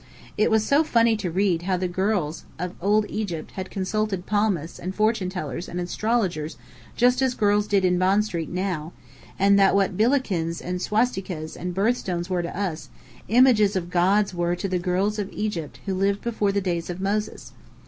It was so funny to read how the girls of Old Egypt had consulted palmists and fortune tellers and astrologers just as girls did in Bond Street now; and that what 'Billikens' and 'Swasticas' and birth stones were to us, images of gods were to the girls of Egypt who lived before the days of Moses!